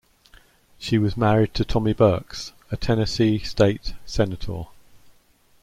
She was married to Tommy Burks, a Tennessee State Senator.